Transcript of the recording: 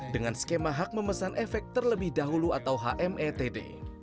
dengan skema hak memesan efek terlebih dahulu atau hmetd